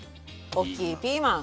おっきいピーマン。